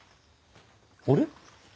あれ？